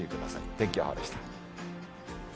天気予報でした。